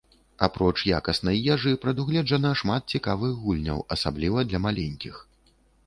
Апроч якаснай ежы прадугледжана шмат цікавых гульняў, асабліва для маленькіх.